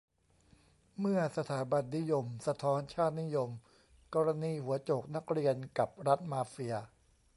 เมื่อ "สถาบันนิยม" สะท้อน "ชาตินิยม" : กรณี "หัวโจก"นักเรียน กับ "รัฐมาเฟีย"